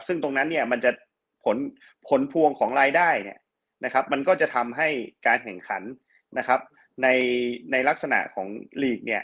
ซึ่งตรงนั้นผลพวงของรายได้มันก็จะทำให้การแข่งขันในลักษณะของลีก